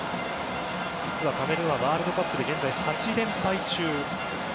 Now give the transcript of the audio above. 実はカメルーンはワールドカップで現在８連敗中。